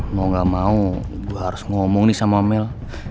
mau gak mau ibu harus ngomong nih sama mel